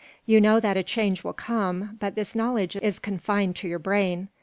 You know that a change will come, but this knowledge is confined to your brain.